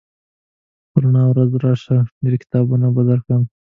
په رڼا ورځ راشه ډېر کتابونه به درکړم